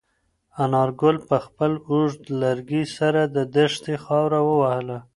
انارګل په خپل اوږد لرګي سره د دښتې خاوره ووهله.